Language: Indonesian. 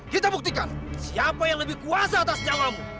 kita buktikan siapa yang lebih kuasa atas nyawamu